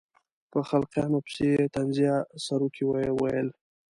په خلقیاتو پسې یې طنزیه سروکي وویل.